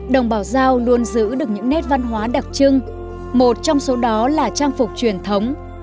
đồng bào giao luôn giữ được những nét văn hóa đặc trưng một trong số đó là trang phục truyền thống